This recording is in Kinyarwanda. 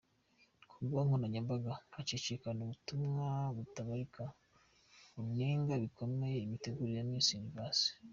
Ku mbuga nkoranyambaga haracicikana ubutumwa butabarika bunenga bikomeye imitegurire ya Miss Universe.